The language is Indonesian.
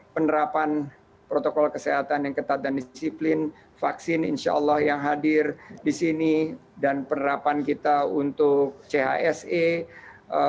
penerapan protokol kesehatan yang ketat dan disiplin vaksin insya allah yang hadir di sini dan penerapan keseluruhan pertionan yang akan terjadi di seluruh indonesia